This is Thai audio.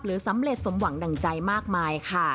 สำเร็จสมหวังดั่งใจมากมายค่ะ